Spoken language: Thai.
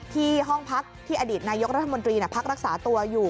ห้องพักที่อดีตนายกรัฐมนตรีพักรักษาตัวอยู่